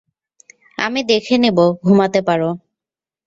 আমি দেখে নেব ঘুমাতে পারো।